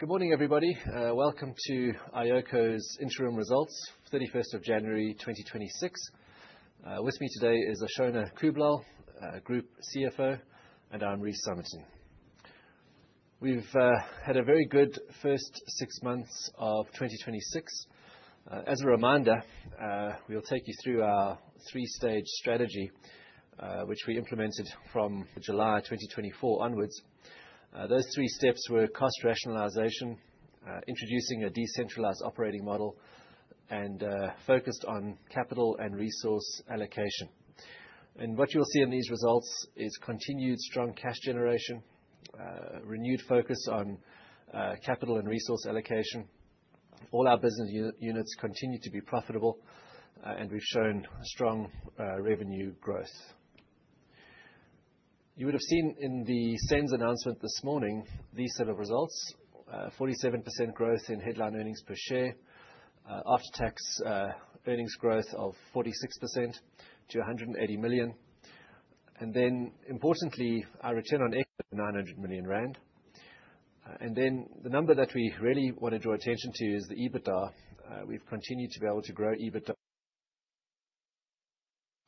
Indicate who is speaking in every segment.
Speaker 1: Good morning, everybody. Welcome to iOCO's interim results, 31 January 2026. With me today is Ashona Kooblall, Group CFO, and I'm Rhys Summerton. We've had a very good first six months of 2026. As a reminder, we'll take you through our three-stage strategy, which we implemented from July 2024 onwards. Those three steps were cost rationalization, introducing a decentralized operating model, and focused on capital and resource allocation. What you'll see in these results is continued strong cash generation, renewed focus on capital and resource allocation. All our business units continue to be profitable, and we've shown strong revenue growth. You would have seen in the SENS announcement this morning these set of results. 47% growth in headline earnings per share. After-tax earnings growth of 46% to 180 million. Then, importantly, our Return on Equity, 900 million rand. Then the number that we really wanna draw attention to is the EBITDA. We've continued to be able to grow EBITDA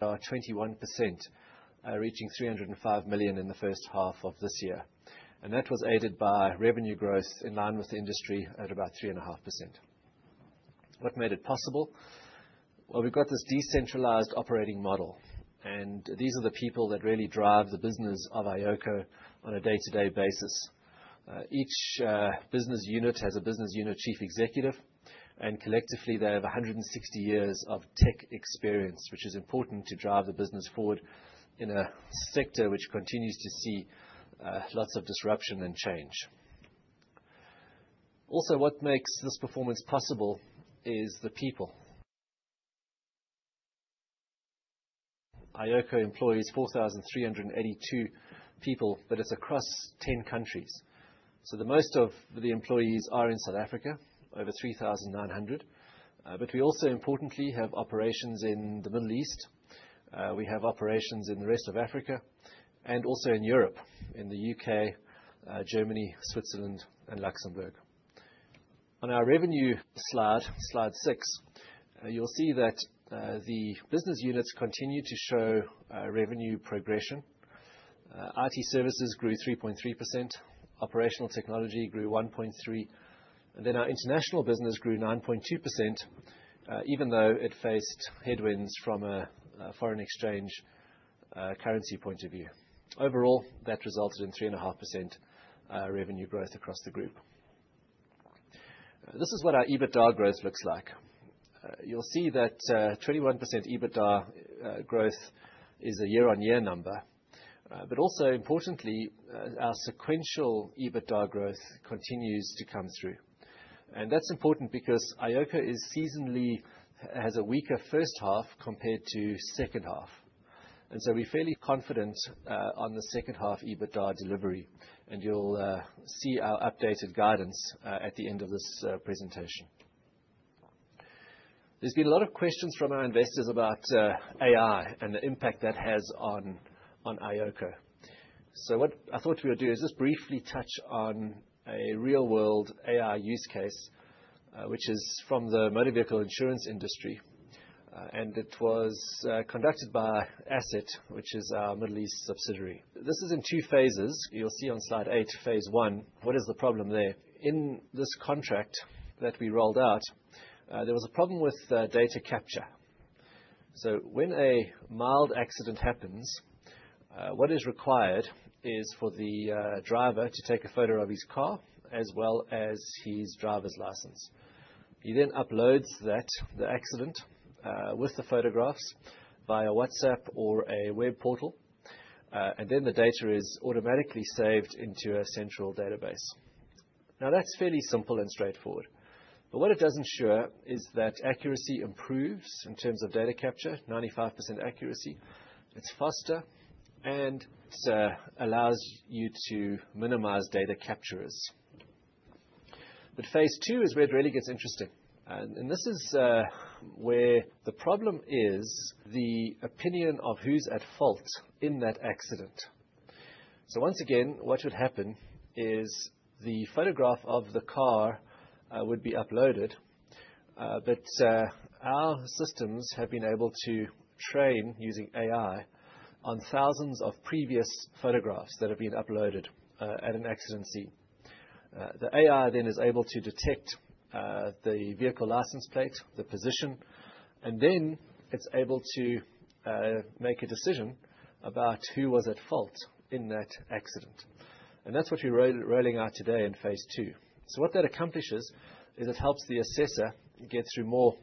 Speaker 1: 21%, reaching 305 million in the first half of this year. That was aided by revenue growth in line with the industry at about 3.5%. What made it possible? Well, we've got this decentralized operating model, and these are the people that really drive the business of iOCO on a day-to-day basis. Each business unit has a business unit chief executive, and collectively, they have 160 years of tech experience, which is important to drive the business forward in a sector which continues to see lots of disruption and change. Also, what makes this performance possible is the people. iOCO employs 4,382 people, but it's across 10 countries. The most of the employees are in South Africa, over 3,900. But we also importantly have operations in the Middle East. We have operations in the rest of Africa and also in Europe, in the U.K., Germany, Switzerland, and Luxembourg. On our revenue slide 6, you'll see that the business units continue to show revenue progression. IT services grew 3.3%, Operational Technology grew 1.3%, and then our international business grew 9.2%, even though it faced headwinds from a foreign exchange currency point of view. Overall, that resulted in 3.5% revenue growth across the group. This is what our EBITDA growth looks like. You'll see that 21% EBITDA growth is a year-on-year number. But also importantly, our sequential EBITDA growth continues to come through. That's important because iOCO is seasonally has a weaker first half compared to second half. We're fairly confident on the second half EBITDA delivery, and you'll see our updated guidance at the end of this presentation. There's been a lot of questions from our investors about AI and the impact that has on iOCO. What I thought we would do is just briefly touch on a real-world AI use case, which is from the motor vehicle insurance industry, and it was conducted by ASSET, which is our Middle East subsidiary. This is in two phases. You'll see on slide eight, phase one. What is the problem there? In this contract that we rolled out, there was a problem with data capture. When a mild accident happens, what is required is for the driver to take a photo of his car as well as his driver's license. He then uploads that, the accident, with the photographs via WhatsApp or a web portal, and then the data is automatically saved into a central database. Now, that's fairly simple and straightforward, but what it does ensure is that accuracy improves in terms of data capture, 95% accuracy. It's faster, and it allows you to minimize data capturers. Phase two is where it really gets interesting. This is where the problem is the opinion of who's at fault in that accident. Once again, what should happen is the photograph of the car would be uploaded, but our systems have been able to train using AI on thousands of previous photographs that have been uploaded at an accident scene. The AI then is able to detect the vehicle license plate, the position, and then it's able to make a decision about who was at fault in that accident. That's what we're rolling out today in phase II. What that accomplishes is it helps the assessor get through more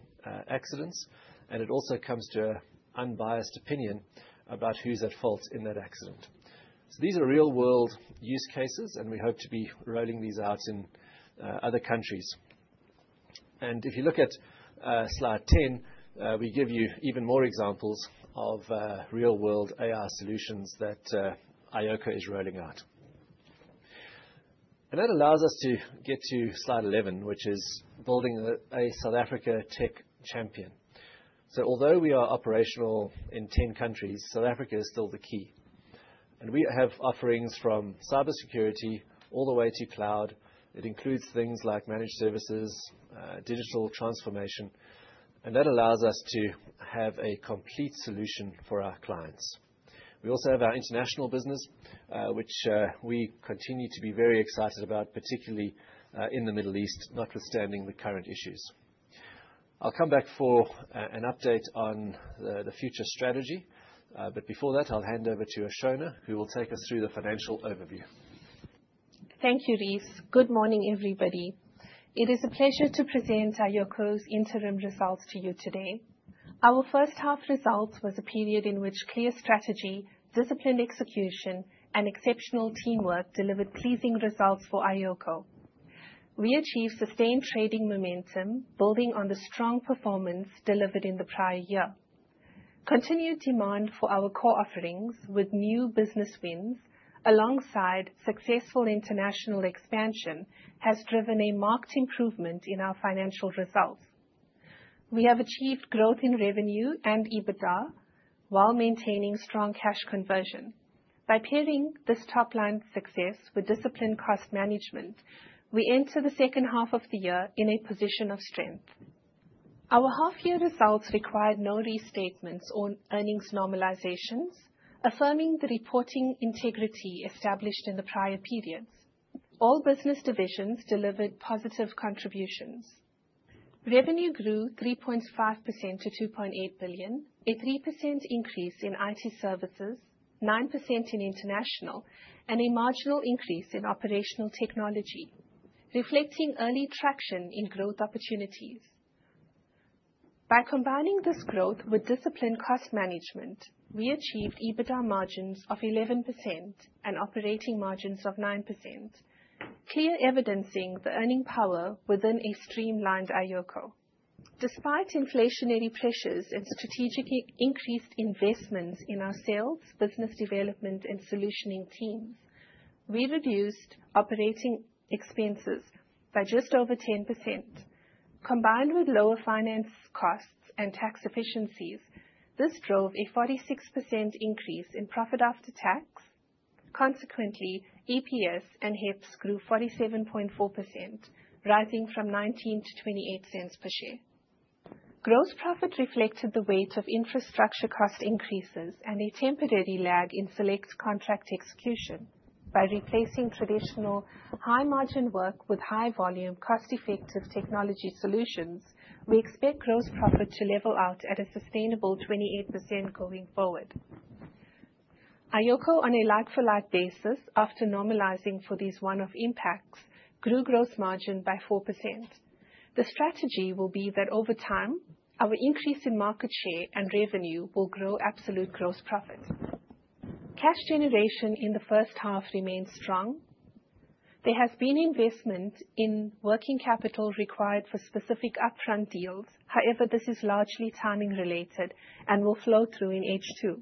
Speaker 1: accidents, and it also comes to an unbiased opinion about who's at fault in that accident. These are real-world use cases, and we hope to be rolling these out in other countries. If you look at slide 10, we give you even more examples of real-world AI solutions that iOCO is rolling out. That allows us to get to slide 11, which is building a South Africa tech champion. Although we are operational in 10 countries, South Africa is still the key. We have offerings from cybersecurity all the way to cloud. It includes things like managed services, digital transformation, and that allows us to have a complete solution for our clients. We also have our international business, which we continue to be very excited about, particularly in the Middle East, notwithstanding the current issues. I'll come back for an update on the future strategy, but before that I'll hand over to Ashona, who will take us through the financial overview.
Speaker 2: Thank you, Rhys. Good morning, everybody. It is a pleasure to present iOCO's interim results to you today. Our first half results was a period in which clear strategy, disciplined execution, and exceptional teamwork delivered pleasing results for iOCO. We achieved sustained trading momentum, building on the strong performance delivered in the prior year. Continued demand for our core offerings with new business wins alongside successful international expansion has driven a marked improvement in our financial results. We have achieved growth in revenue and EBITDA while maintaining strong cash conversion. By pairing this top-line success with disciplined cost management, we enter the second half of the year in a position of strength. Our half-year results required no restatements on earnings normalizations, affirming the reporting integrity established in the prior periods. All business divisions delivered positive contributions. Revenue grew 3.5% to 2.8 billion, a 3% increase in IT services, 9% in international, and a marginal increase in Operational Technology, reflecting early traction in growth opportunities. By combining this growth with disciplined cost management, we achieved EBITDA margins of 11% and operating margins of 9%, clearly evidencing the earning power within a streamlined iOCO. Despite inflationary pressures and strategically increased investments in our sales, business development, and solutioning teams, we reduced operating expenses by just over 10%. Combined with lower finance costs and tax efficiencies, this drove a 46% increase in profit after tax. Consequently, EPS and HEPS grew 47.4%, rising from 0.19-0.28 per share. Gross profit reflected the weight of infrastructure cost increases and a temporary lag in select contract execution. By replacing traditional high-margin work with high volume, cost-effective technology solutions, we expect gross profit to level out at a sustainable 28% going forward. iOCO on a like-for-like basis, after normalizing for these one-off impacts, grew gross margin by 4%. The strategy will be that over time, our increase in market share and revenue will grow absolute gross profit. Cash generation in the first half remains strong. There has been investment in working capital required for specific upfront deals. However, this is largely timing related and will flow through in H2.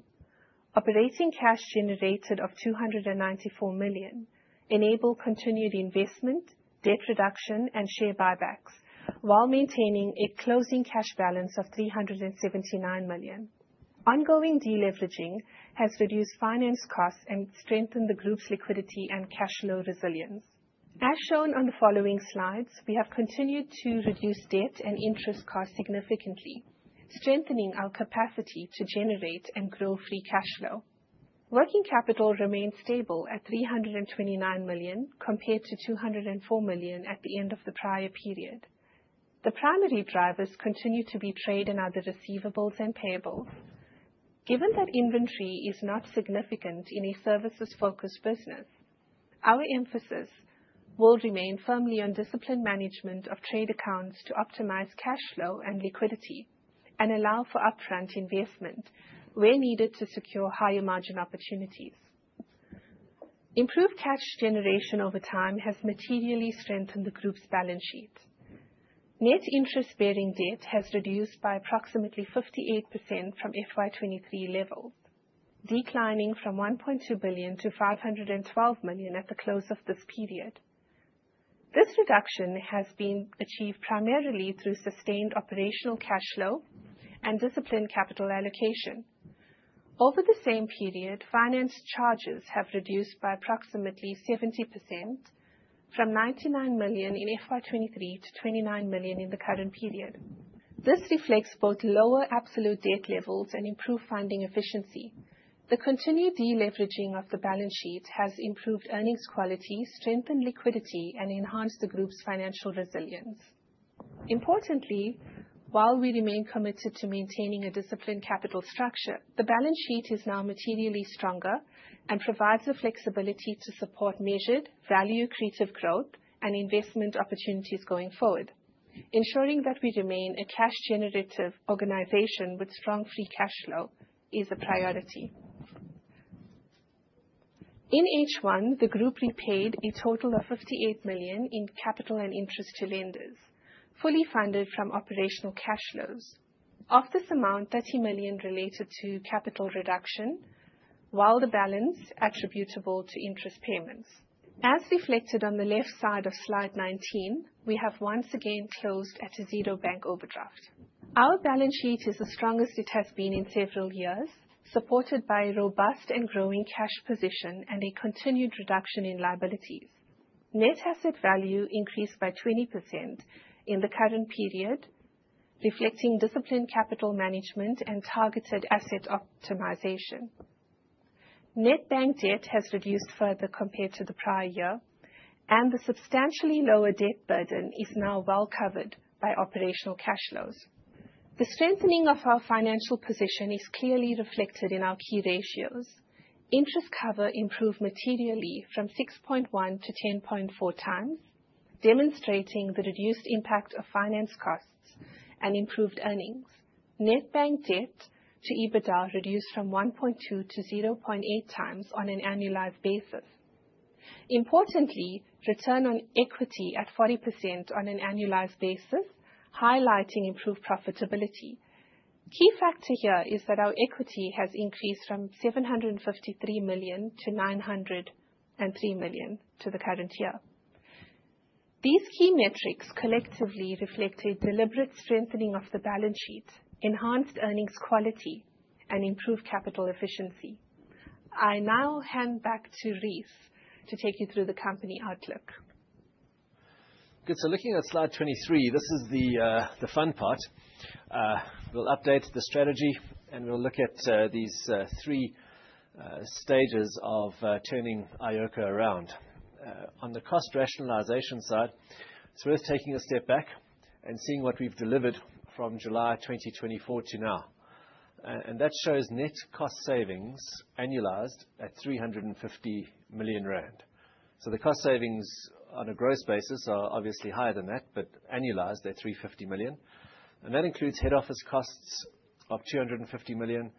Speaker 2: Operating cash generated of 294 million enable continued investment, debt reduction, and share buybacks while maintaining a closing cash balance of 379 million. Ongoing deleveraging has reduced finance costs and strengthened the group's liquidity and cash flow resilience. As shown on the following slides, we have continued to reduce debt and interest costs significantly, strengthening our capacity to generate and grow free cash flow. Working capital remains stable at 329 million compared to 204 million at the end of the prior period. The primary drivers continue to be trade in other receivables and payables. Given that inventory is not significant in a services-focused business, our emphasis will remain firmly on disciplined management of trade accounts to optimize cash flow and liquidity and allow for upfront investment where needed to secure higher margin opportunities. Improved cash generation over time has materially strengthened the group's balance sheet. Net interest-bearing debt has reduced by approximately 58% from FY 2023 levels, declining from 1.2 billion-512 million at the close of this period. This reduction has been achieved primarily through sustained operational cash flow and disciplined capital allocation. Over the same period, finance charges have reduced by approximately 70% from 99 million in FY 2023 to 29 million in the current period. This reflects both lower absolute debt levels and improved funding efficiency. The continued deleveraging of the balance sheet has improved earnings quality, strengthened liquidity, and enhanced the group's financial resilience. Importantly, while we remain committed to maintaining a disciplined capital structure, the balance sheet is now materially stronger and provides the flexibility to support measured, value-creating growth and investment opportunities going forward. Ensuring that we remain a cash-generative organization with strong free cash flow is a priority. In H1, the group repaid a total of 58 million in capital and interest to lenders, fully funded from operational cash flows. Of this amount, 30 million related to capital reduction, while the balance attributable to interest payments. As reflected on the left side of slide 19, we have once again closed at a 0 bank overdraft. Our balance sheet is the strongest it has been in several years, supported by a robust and growing cash position and a continued reduction in liabilities. Net Asset Value increased by 20% in the current period, reflecting disciplined capital management and targeted asset optimization. Net bank debt has reduced further compared to the prior year, and the substantially lower debt burden is now well-covered by operational cash flows. The strengthening of our financial position is clearly reflected in our key ratios. Interest cover improved materially from 6.1x to 10.4x, demonstrating the reduced impact of finance costs and improved earnings. Net bank debt-to-EBITDA reduced from 1.2x to 0.8x on an annualized basis. Importantly, Return on Equity at 40% on an annualized basis, highlighting improved profitability. Key factor here is that our equity has increased from 753 million-903 million to the current year. These key metrics collectively reflect a deliberate strengthening of the balance sheet, enhanced earnings quality, and improved capital efficiency. I now hand back to Rhys to take you through the company outlook.
Speaker 1: Good. Looking at slide 23, this is the fun part. We'll update the strategy, and we'll look at these three stages of turning iOCO around. On the cost rationalization side, it's worth taking a step back and seeing what we've delivered from July 2024 to now. That shows net cost savings annualized at 350 million rand. The cost savings on a gross basis are obviously higher than that, but annualized, they're 350 million. That includes head office costs of 250 million.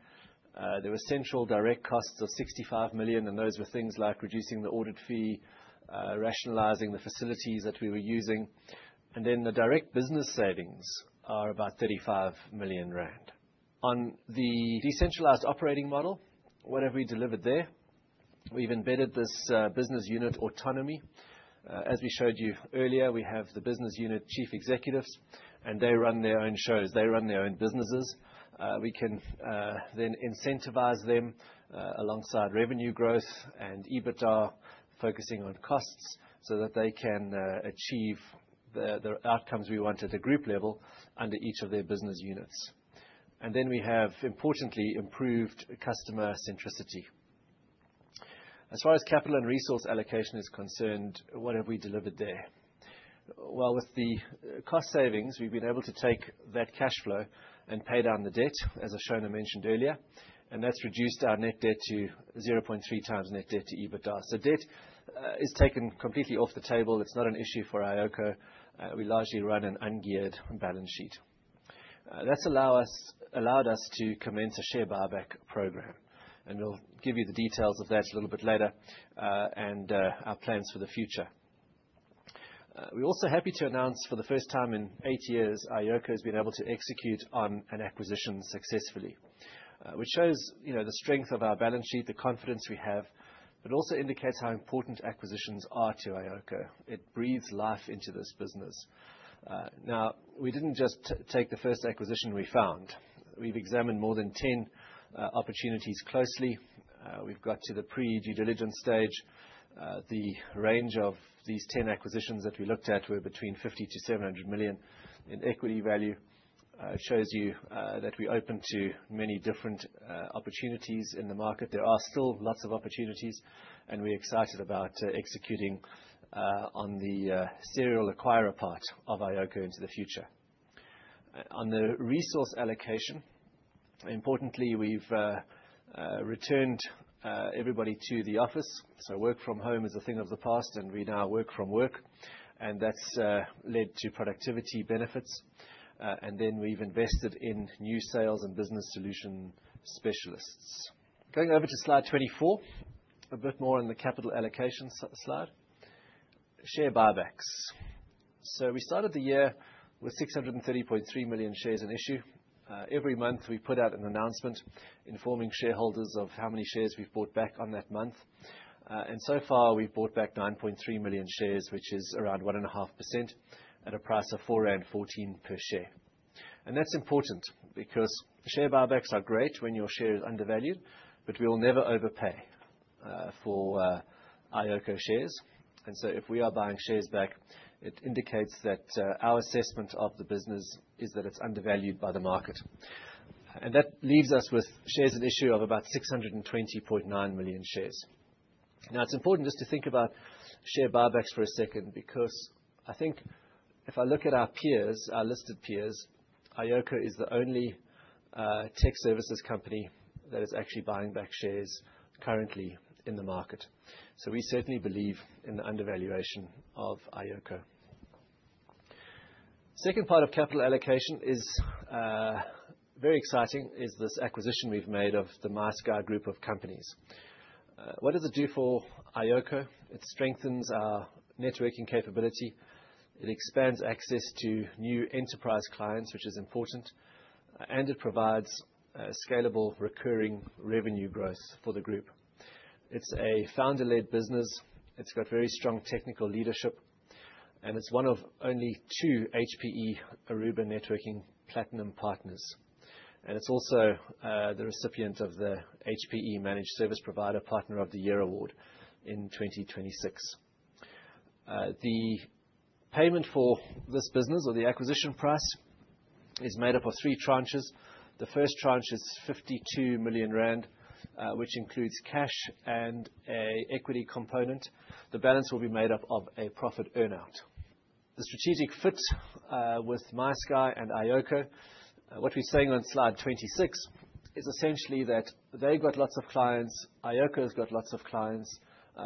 Speaker 1: There were central direct costs of 65 million, and those were things like reducing the audit fee, rationalizing the facilities that we were using. The direct business savings are about 35 million rand. On the decentralized operating model, what have we delivered there? We've embedded this business unit autonomy. As we showed you earlier, we have the business unit chief executives, and they run their own shows. They run their own businesses. We can then incentivize them, alongside revenue growth and EBITDA, focusing on costs, so that they can achieve the outcomes we want at the group level under each of their business units. We have, importantly, improved customer centricity. As far as capital and resource allocation is concerned, what have we delivered there? Well, with the cost savings, we've been able to take that cash flow and pay down the debt, as Ashona mentioned earlier, and that's reduced our net debt to 0.3x net debt-to-EBITDA. Debt is taken completely off the table. It's not an issue for iOCO. We largely run an ungeared balance sheet. That's allowed us to commence a share buyback program, and we'll give you the details of that a little bit later, and our plans for the future. We're also happy to announce, for the first time in eight years, iOCO has been able to execute on an acquisition successfully, which shows, you know, the strength of our balance sheet, the confidence we have, but also indicates how important acquisitions are to iOCO. It breathes life into this business. Now, we didn't just take the first acquisition we found. We've examined more than 10 opportunities closely. We've got to the pre-due diligence stage. The range of these 10 acquisitions that we looked at were between 50 million-700 million in equity value. It shows you that we're open to many different opportunities in the market. There are still lots of opportunities, and we're excited about executing on the serial acquirer part of iOCO into the future. On the resource allocation, importantly, we've returned everybody to the office, so work from home is a thing of the past, and we now work from work. That's led to productivity benefits. We've invested in new sales and business solution specialists. Going over to slide 24, a bit more on the capital allocation slide. Share buybacks. We started the year with 630.3 million shares in issue. Every month, we put out an announcement informing shareholders of how many shares we've bought back on that month. So far, we've bought back 9.3 million shares, which is around 1.5% at a price of 4.14 per share. That's important because share buybacks are great when your share is undervalued, but we will never overpay for iOCO shares. If we are buying shares back, it indicates that our assessment of the business is that it's undervalued by the market. That leaves us with shares in issue of about 620.9 million shares. Now, it's important just to think about share buybacks for a second because I think if I look at our peers, our listed peers, iOCO is the only tech services company that is actually buying back shares currently in the market. We certainly believe in the undervaluation of iOCO. Second part of capital allocation is very exciting, is this acquisition we've made of the MySky Group of Companies. What does it do for iOCO? It strengthens our networking capability. It expands access to new enterprise clients, which is important, and it provides scalable recurring revenue growth for the group. It's a founder-led business. It's got very strong technical leadership. It's one of only two HPE Aruba Networking Platinum Partners. It's also the recipient of the HPE Managed Service Provider Partner of the Year Award in 2026. The payment for this business or the acquisition price is made up of three tranches. The first tranche is 52 million rand, which includes cash and a equity component. The balance will be made up of a profit earn-out. The strategic fit with MySky and iOCO, what we're saying on slide 26, is essentially that they've got lots of clients, iOCO's got lots of clients,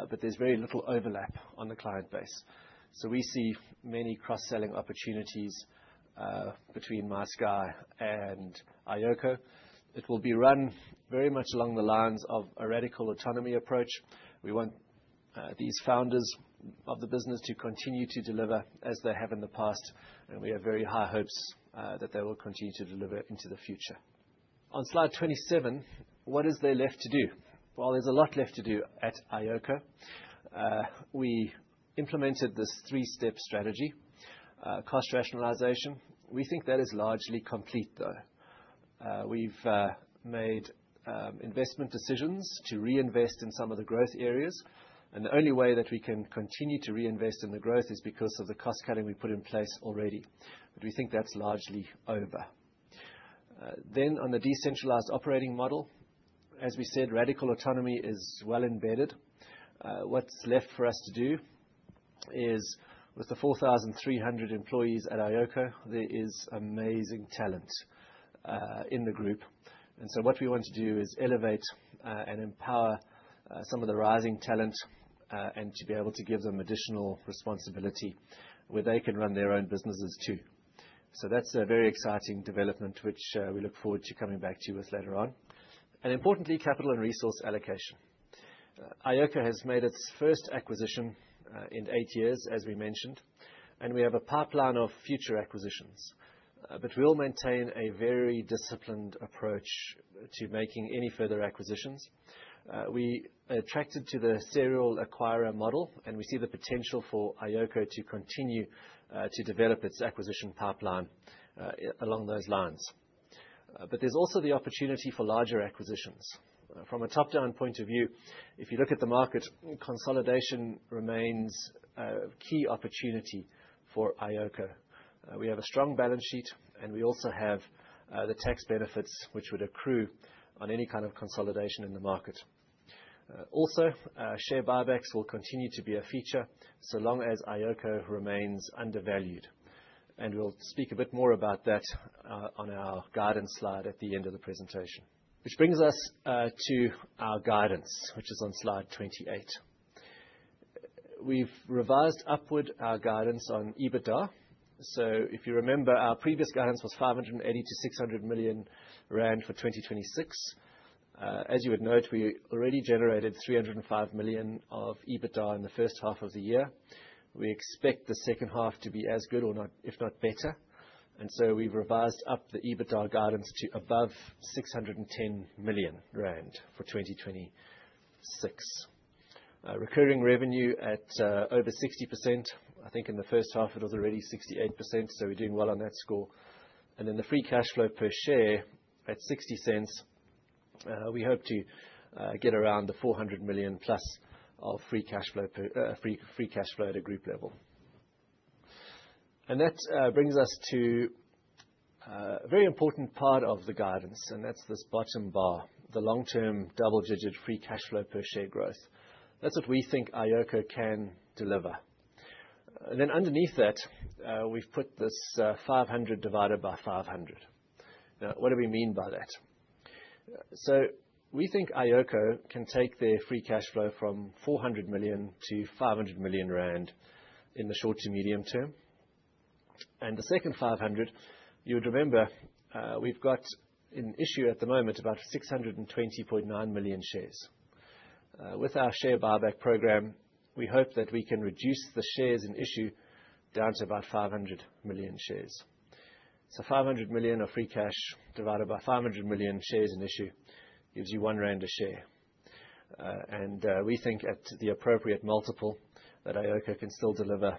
Speaker 1: but there's very little overlap on the client base. We see many cross-selling opportunities between MySky and iOCO. It will be run very much along the lines of a radical autonomy approach. We want these founders of the business to continue to deliver as they have in the past, and we have very high hopes that they will continue to deliver into the future. On slide 27, what is there left to do? Well, there's a lot left to do at iOCO. We implemented this three-step strategy. Cost rationalization, we think that is largely complete, though. We've made investment decisions to reinvest in some of the growth areas, and the only way that we can continue to reinvest in the growth is because of the cost-cutting we put in place already. We think that's largely over. On the decentralized operating model, as we said, radical autonomy is well embedded. What's left for us to do is, with the 4,300 employees at iOCO, there is amazing talent in the group. What we want to do is elevate and empower some of the rising talent and to be able to give them additional responsibility where they can run their own businesses too. That's a very exciting development which we look forward to coming back to you with later on. Importantly, capital and resource allocation. iOCO has made its first acquisition in eight years, as we mentioned, and we have a pipeline of future acquisitions. But we'll maintain a very disciplined approach to making any further acquisitions. We are attracted to the serial acquirer model, and we see the potential for iOCO to continue to develop its acquisition pipeline along those lines. There's also the opportunity for larger acquisitions. From a top-down point of view, if you look at the market, consolidation remains a key opportunity for iOCO. We have a strong balance sheet, and we also have the tax benefits which would accrue on any kind of consolidation in the market. Share buybacks will continue to be a feature so long as iOCO remains undervalued. We'll speak a bit more about that on our guidance slide at the end of the presentation. Which brings us to our guidance, which is on slide 28. We've revised upward our guidance on EBITDA. If you remember, our previous guidance was 580 million-600 million rand for 2026. As you would note, we already generated 305 million of EBITDA in the first half of the year. We expect the second half to be as good or better, if not better. We've revised up the EBITDA guidance to above 610 million rand for 2026. Recurring revenue at over 60%. I think in the first half it was already 68%, so we're doing well on that score. Then the free cash flow per share at 60 cents, we hope to get around the 400 million-plus of free cash flow at a group level. That brings us to a very important part of the guidance, and that's this bottom bar, the long-term double-digit free cash flow per share growth. That's what we think iOCO can deliver. Underneath that, we've put this, 500 divided by 500. Now, what do we mean by that? We think iOCO can take their free cash flow from 400 million-500 million rand in the short to medium term. The second 500, you would remember, we've got in issue at the moment about 620.9 million shares. With our share buyback program, we hope that we can reduce the shares in issue down to about 500 million shares. 500 million of free cash divided by 500 million shares in issue gives you 1 rand a share. We think at the appropriate multiple that iOCO can still deliver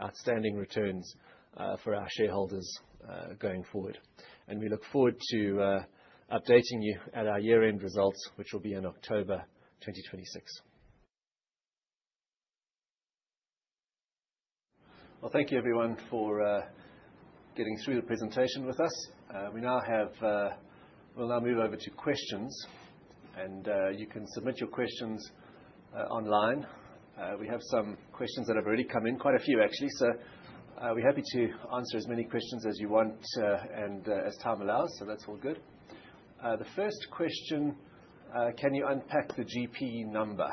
Speaker 1: outstanding returns for our shareholders going forward. We look forward to updating you at our year-end results, which will be in October 2026. Well, thank you everyone for getting through the presentation with us. We'll now move over to questions. You can submit your questions online. We have some questions that have already come in, quite a few actually. We're happy to answer as many questions as you want, and as time allows, so that's all good. The first question, can you unpack the GP number?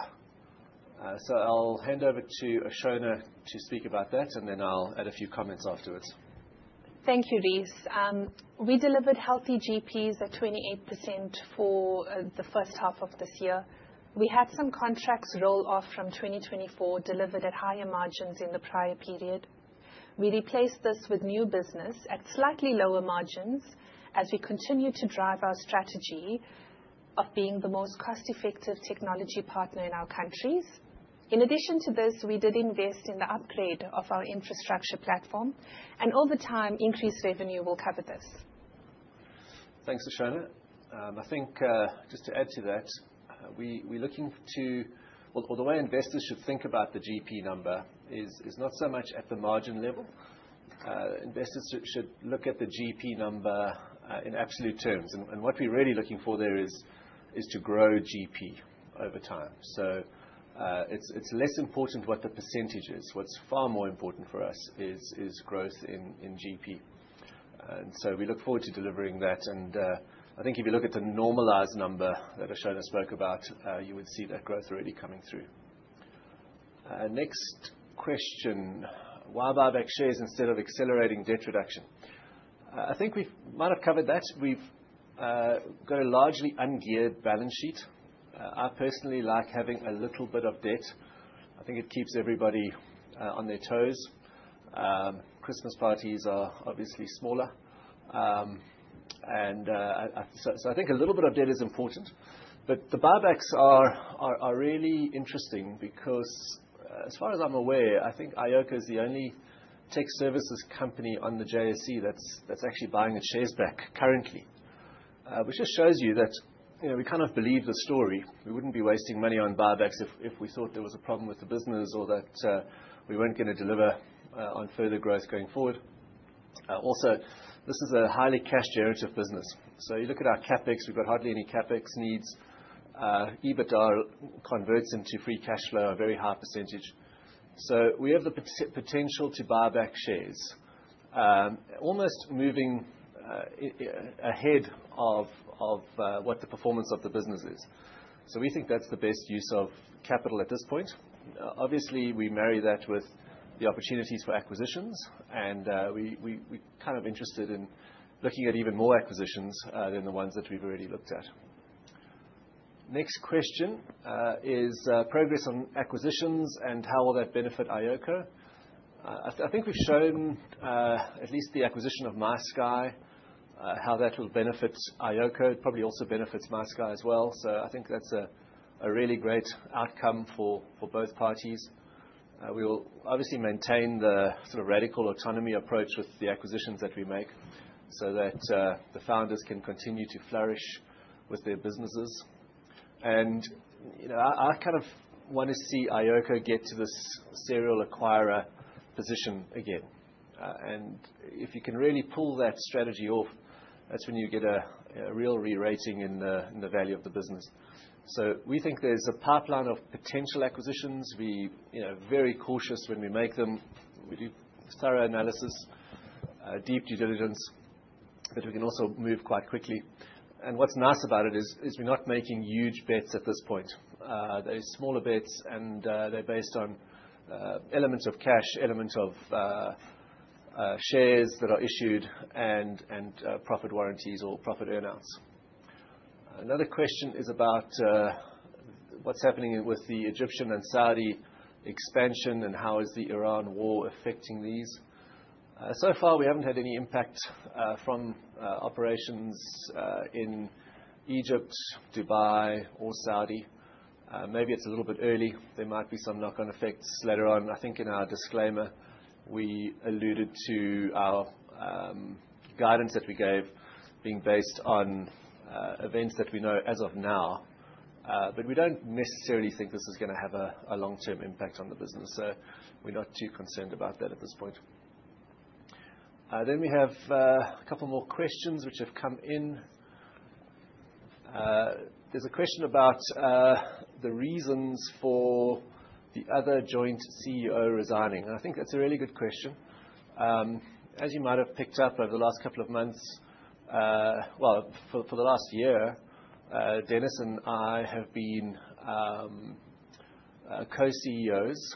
Speaker 1: I'll hand over to Ashona to speak about that, and then I'll add a few comments afterwards.
Speaker 2: Thank you, Rhys. We delivered healthy GPs at 28% for the first half of this year. We had some contracts roll off from 2024 delivered at higher margins in the prior period. We replaced this with new business at slightly lower margins as we continue to drive our strategy of being the most cost-effective technology partner in our countries. In addition to this, we did invest in the upgrade of our infrastructure platform, and over time, increased revenue will cover this.
Speaker 1: Thanks, Ashona. I think just to add to that. Well, the way investors should think about the GP number is not so much at the margin level. Investors should look at the GP number in absolute terms. What we're really looking for there is to grow GP over time. It's less important what the percentage is. What's far more important for us is growth in GP. We look forward to delivering that. I think if you look at the normalized number that Ashona spoke about, you would see that growth really coming through. Next question. Why buy back shares instead of accelerating debt reduction? I think we might have covered that. We've got a largely ungeared balance sheet. I personally like having a little bit of debt. I think it keeps everybody on their toes. Christmas parties are obviously smaller. I think a little bit of debt is important. The buybacks are really interesting because as far as I'm aware, I think iOCO is the only tech services company on the JSE that's actually buying its shares back currently. Which just shows you that, you know, we kind of believe the story. We wouldn't be wasting money on buybacks if we thought there was a problem with the business or that we weren't gonna deliver on further growth going forward. Also, this is a highly cash generative business. You look at our CapEx, we've got hardly any CapEx needs. EBITDA converts into free cash flow, a very high percentage. We have the potential to buy back shares, almost moving ahead of what the performance of the business is. We think that's the best use of capital at this point. Obviously, we marry that with the opportunities for acquisitions, and we're kind of interested in looking at even more acquisitions than the ones that we've already looked at. Next question is progress on acquisitions and how will that benefit iOCO? I think we've shown, at least the acquisition of MySky, how that will benefit iOCO. It probably also benefits MySky as well. I think that's a really great outcome for both parties. We will obviously maintain the sort of radical autonomy approach with the acquisitions that we make so that the founders can continue to flourish with their businesses. You know, I kind of wanna see iOCO get to this serial acquirer position again. If you can really pull that strategy off, that's when you get a real re-rating in the value of the business. We think there's a pipeline of potential acquisitions. We you know very cautious when we make them. We do thorough analysis, deep due diligence, but we can also move quite quickly. What's nice about it is we're not making huge bets at this point. They're smaller bets and they're based on elements of cash, elements of shares that are issued and profit warranties or profit earn-outs. Another question is about what's happening with the Egyptian and Saudi expansion and how is the Iran war affecting these? So far we haven't had any impact from operations in Egypt, Dubai or Saudi. Maybe it's a little bit early. There might be some knock-on effects later on. I think in our disclaimer, we alluded to our guidance that we gave being based on events that we know as of now. We don't necessarily think this is gonna have a long-term impact on the business. We're not too concerned about that at this point. We have a couple more questions which have come in. There's a question about the reasons for the other Co-CEO resigning. I think that's a really good question. As you might have picked up over the last couple of months, for the last year, Dennis and I have been Co-CEOs.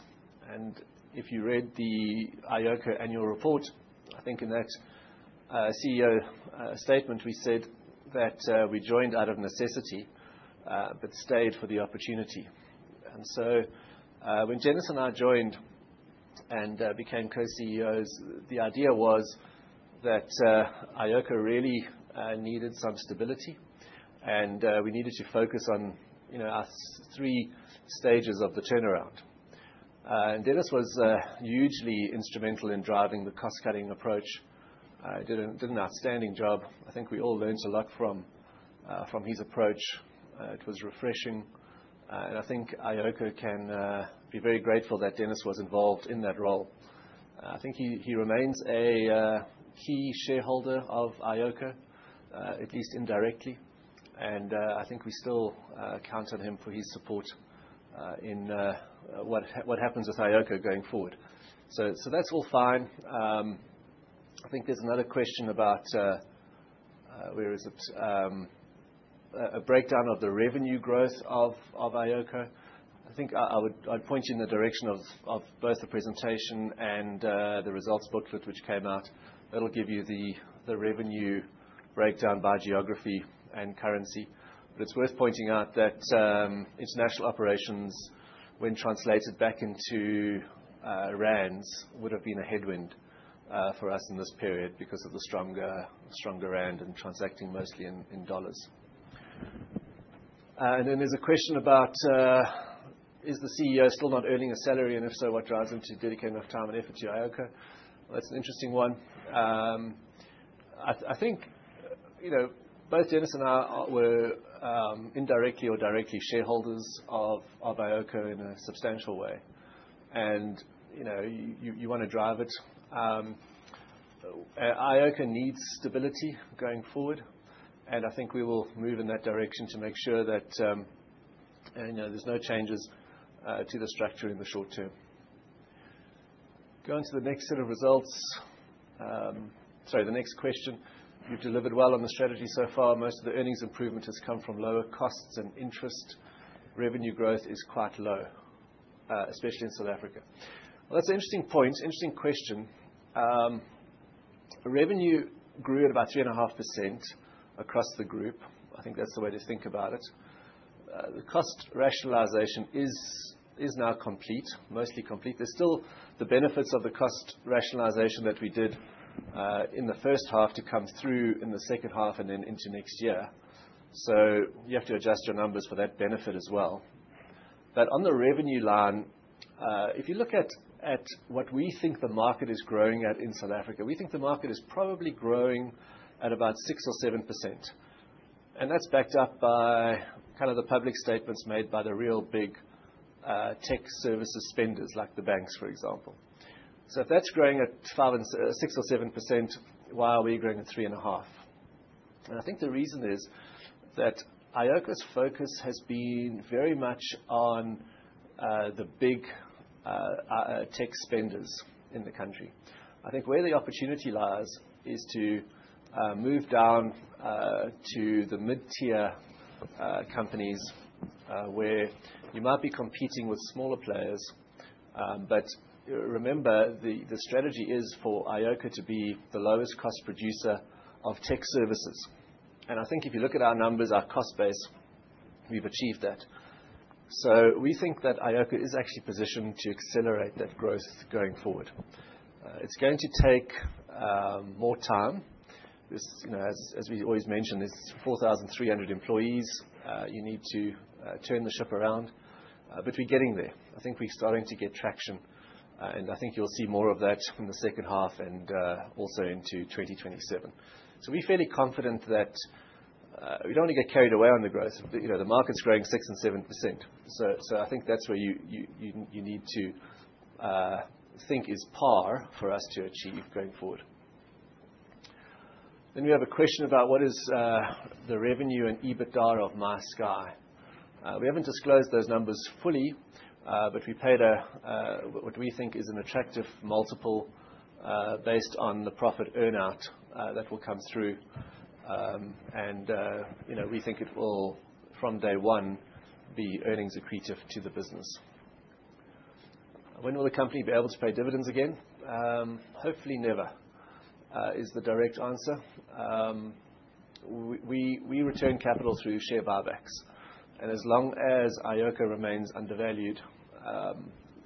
Speaker 1: If you read the iOCO annual report, I think in that CEO statement, we said that we joined out of necessity but stayed for the opportunity. When Dennis and I joined and became Co-CEOs, the idea was that iOCO really needed some stability and we needed to focus on, you know, our three stages of the turnaround. Dennis was hugely instrumental in driving the cost-cutting approach. Did an outstanding job. I think we all learned a lot from his approach. It was refreshing. I think iOCO can be very grateful that Dennis was involved in that role. I think he remains a key shareholder of iOCO, at least indirectly. I think we still count on him for his support in what happens with iOCO going forward. That's all fine. I think there's another question about a breakdown of the revenue growth of iOCO. I think I would point you in the direction of both the presentation and the results booklet which came out. That'll give you the revenue breakdown by geography and currency. It's worth pointing out that international operations, when translated back into rand, would have been a headwind for us in this period because of the stronger rand and transacting mostly in dollars. There's a question about is the CEO still not earning a salary? If so, what drives him to dedicate enough time and effort to iOCO? That's an interesting one. I think, you know, both Dennis and I were indirectly or directly shareholders of iOCO in a substantial way. You know, you wanna drive it. iOCO needs stability going forward, and I think we will move in that direction to make sure that, you know, there's no changes to the structure in the short term. Going to the next set of results, sorry, the next question. You've delivered well on the strategy so far. Most of the earnings improvement has come from lower costs and interest. Revenue growth is quite low, especially in South Africa. Well, that's an interesting point, interesting question. Revenue grew at about 3.5% across the group. I think that's the way to think about it. The cost rationalization is now complete, mostly complete. There's still the benefits of the cost rationalization that we did in the first half to come through in the second half and then into next year. You have to adjust your numbers for that benefit as well. On the revenue line, if you look at what we think the market is growing at in South Africa, we think the market is probably growing at about 6% or 7%, and that's backed up by kind of the public statements made by the real big tech services spenders like the banks, for example. If that's growing at 5% and 6% or 7%, why are we growing at 3.5%? I think the reason is that iOCO's focus has been very much on the big tech spenders in the country. I think where the opportunity lies is to move down to the mid-tier companies where you might be competing with smaller players. Remember, the strategy is for iOCO to be the lowest cost producer of tech services. I think if you look at our numbers, our cost base, we've achieved that. We think that iOCO is actually positioned to accelerate that growth going forward. It's going to take more time. This, you know, as we always mention, is 4,300 employees. You need to turn the ship around, but we're getting there. I think we're starting to get traction, and I think you'll see more of that from the second half and also into 2027. We're fairly confident that we don't wanna get carried away on the growth, but, you know, the market's growing 6%-7%. I think that's where you need to think is par for us to achieve going forward. Then we have a question about what is the revenue and EBITDA of MySky. We haven't disclosed those numbers fully, but we paid a what we think is an attractive multiple based on the profit earn-out that will come through. And, you know, we think it will, from day one, be earnings accretive to the business. When will the company be able to pay dividends again? Hopefully never is the direct answer. We return capital through share buybacks, and as long as iOCO remains undervalued,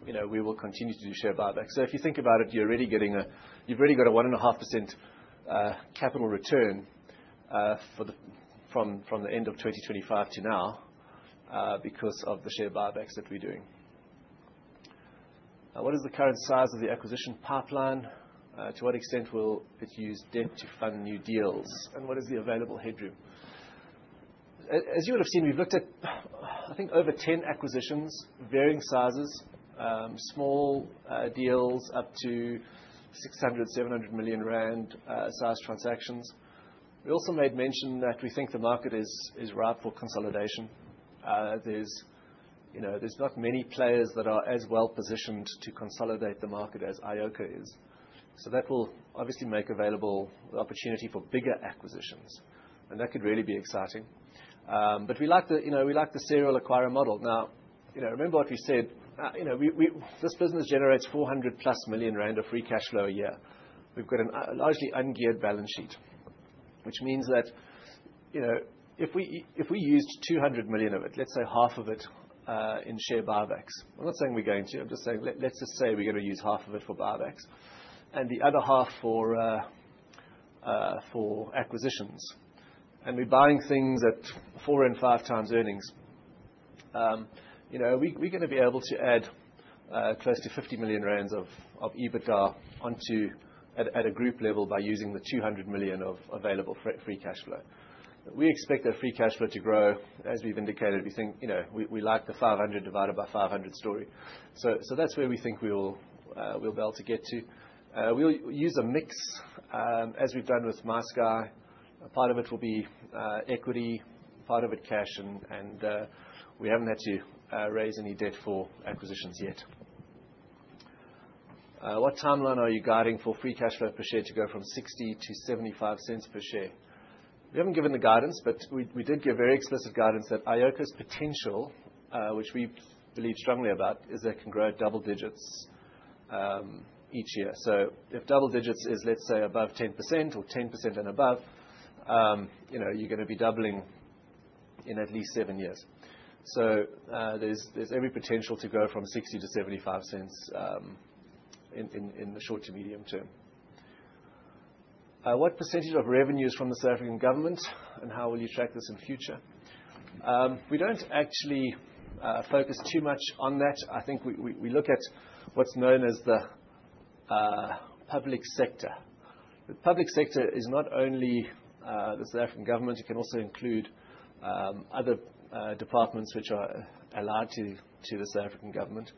Speaker 1: you know, we will continue to do share buybacks. If you think about it, you're already getting a—you've already got a 1.5% capital return, for the from the end of 2025 to now, because of the share buybacks that we're doing. Now what is the current size of the acquisition pipeline? To what extent will it use debt to fund new deals? And what is the available headroom? As you would have seen, we've looked at, I think, over 10 acquisitions, varying sizes, small deals up to 600-700 million rand size transactions. We also made mention that we think the market is ripe for consolidation. There's, you know, there's not many players that are as well-positioned to consolidate the market as iOCO is. That will obviously make available the opportunity for bigger acquisitions, and that could really be exciting. We like the, you know, we like the serial acquirer model. Now, you know, remember what we said. You know, this business generates 400+ million rand of Free Cash Flow a year. We've got an largely ungeared balance sheet, which means that, you know, if we used 200 million of it, let's say half of it, in share buybacks. I'm not saying we're going to. I'm just saying, let's just say we're gonna use half of it for buybacks and the other half for acquisitions. We're buying things at 4x and 5x earnings. You know, we're gonna be able to add close to 50 million rand of EBITDA onto a group level by using the 200 million of available free cash flow. We expect that free cash flow to grow. As we've indicated, we think, you know, we like the 500 divided by 500 story. So that's where we think we will be able to get to. We'll use a mix, as we've done with MySky. A part of it will be equity, part of it cash and we haven't had to raise any debt for acquisitions yet. What timeline are you guiding for free cash flow per share to go from 60 to 75 cents per share? We haven't given the guidance, but we did give very explicit guidance that iOCO's potential, which we believe strongly about, is that it can grow double digits each year. If double digits is, let's say, above 10% or 10% and above, you know, you're gonna be doubling in at least seven years. There's every potential to go from 0.60-0.75 in the short to medium term. What percentage of revenue is from the South African government, and how will you track this in future? We don't actually focus too much on that. I think we look at what's known as the Public Sector. The Public Sector is not only the South African government. It can also include other departments which are allied to the South African government.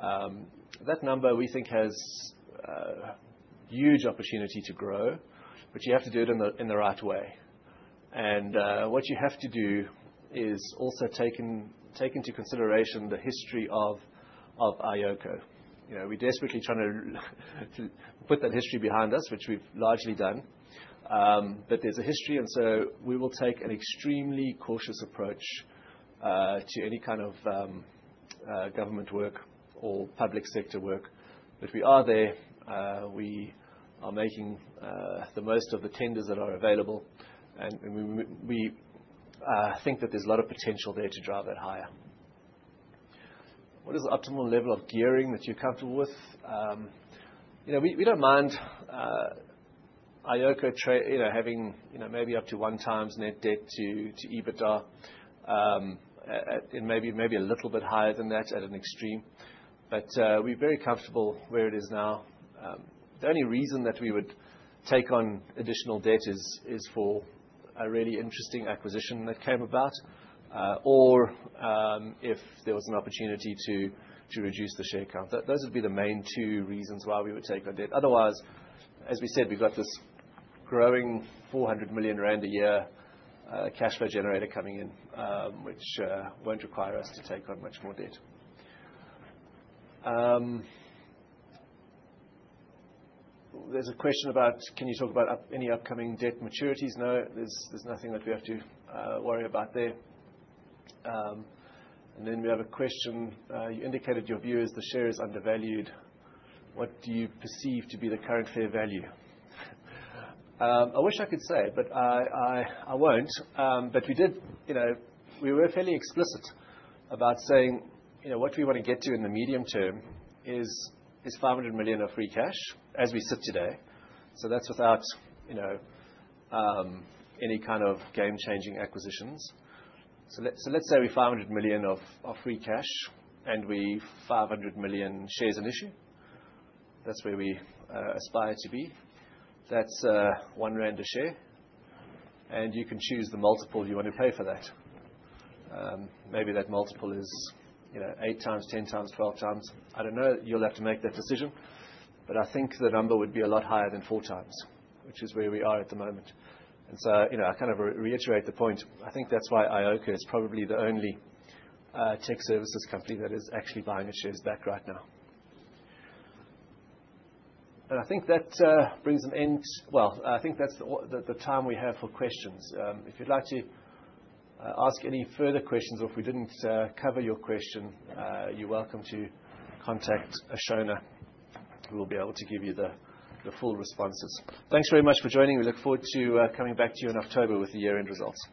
Speaker 1: That number we think has huge opportunity to grow, but you have to do it in the right way. What you have to do is also take into consideration the history of iOCO. You know, we're desperately trying to put that history behind us, which we've largely done. There's a history, so we will take an extremely cautious approach to any kind of government work or public sector work. We are there. We are making the most of the tenders that are available, and we think that there's a lot of potential there to drive it higher. What is the optimal level of gearing that you're comfortable with? You know, we don't mind, iOCO tra— You know, having maybe up to 1x net debt-to-EBITDA, and maybe a little bit higher than that at an extreme. We're very comfortable where it is now. The only reason that we would take on additional debt is for a really interesting acquisition that came about or if there was an opportunity to reduce the share count. Those would be the main two reasons why we would take on debt. Otherwise, as we said, we've got this growing 400 million rand a year cash flow generator coming in, which won't require us to take on much more debt. There's a question about can you talk about any upcoming debt maturities? No, there's nothing that we have to worry about there. We have a question. You indicated your view is the share is undervalued. What do you perceive to be the current fair value? I wish I could say, but I won't. We did. You know, we were fairly explicit about saying, you know, what we wanna get to in the medium term is 500 million of free cash as it sits today. That's without, you know, any kind of game-changing acquisitions. Let's say we have 500 million of free cash and we have 500 million shares in issue. That's where we aspire to be. That's 1 rand a share, and you can choose the multiple you want to pay for that. Maybe that multiple is 8x, 10x, 12x. I don't know. You'll have to make that decision, but I think the number would be a lot higher than 4x, which is where we are at the moment. You know, I kind of reiterate the point. I think that's why iOCO is probably the only tech services company that is actually buying its shares back right now. Well, I think that's all the time we have for questions. If you'd like to ask any further questions or if we didn't cover your question, you're welcome to contact Ashona, who will be able to give you the full responses. Thanks very much for joining. We look forward to coming back to you in October with the year-end results.